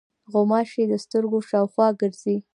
غوماشې د سترګو شاوخوا ګرځي.